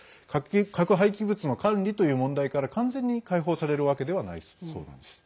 核廃棄物の管理という問題から完全に解放されるわけではないそうなんです。